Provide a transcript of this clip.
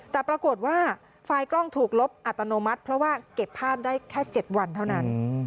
แต่ปรากฏว่าไฟล์กล้องถูกลบอัตโนมัติเพราะว่าเก็บภาพได้แค่๗วันเท่านั้น